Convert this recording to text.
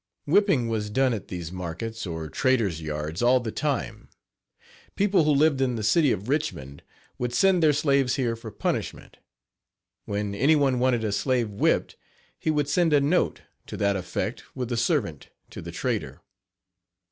Whipping was done at these markets, or trader's yards, all the time. People who lived in the city of Richmond would send their slaves here for punishment. When any one wanted a slave whipped he would send a note to that effect with the servant to the trader.